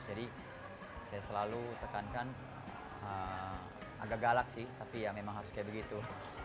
jadi saya selalu tekankan agak galak sih tapi ya memang harus kayak begitu